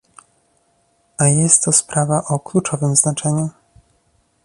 A jest to sprawa o kluczowym znaczenie